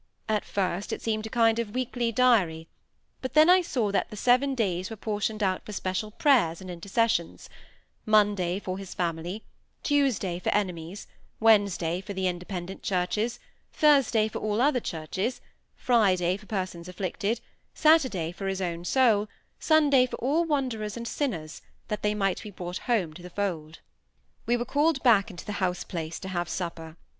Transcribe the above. At first, it seemed a kind of weekly diary; but then I saw that the seven days were portioned out for special prayers and intercessions: Monday for his family, Tuesday for enemies, Wednesday for the Independent churches, Thursday for all other churches, Friday for persons afflicted, Saturday for his own soul, Sunday for all wanderers and sinners, that they might be brought home to the fold. We were called back into the house place to have supper.